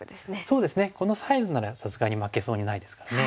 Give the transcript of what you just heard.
そうですねこのサイズならさすがに負けそうにないですからね。